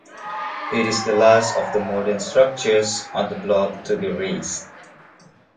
It is the last of the modern structures on the block to be razed.